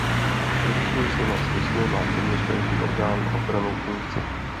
V širším slova smyslu má téměř každý orgán ochrannou funkci.